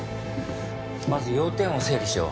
まず要点を整理しよう。